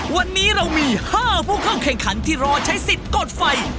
วันนี้เรามี๕ผู้เข้าแข่งขันที่รอใช้สิทธิ์กดไฟ